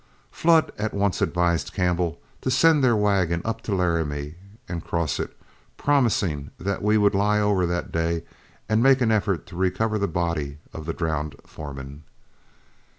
Flood at once advised Campbell to send their wagon up to Laramie and cross it, promising that we would lie over that day and make an effort to recover the body of the drowned foreman.